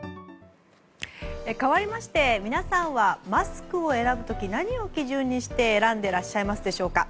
かわりまして皆さんはマスクを選ぶ時何を基準にして選んでらっしゃいますでしょうか。